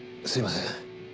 すみません。